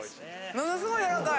ものすごい柔らかい。